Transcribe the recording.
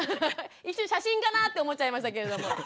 一瞬写真かなって思っちゃいましたけれども。